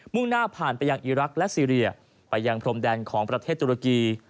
่งหน้าผ่านไปยังอีรักษ์และซีเรียไปยังพรมแดนของประเทศตุรกี